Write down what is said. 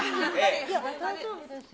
大丈夫ですよ。